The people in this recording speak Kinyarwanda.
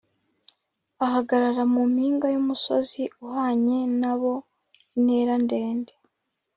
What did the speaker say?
ahagarara mu mpinga y’umusozi uhanye na bo intera ndende.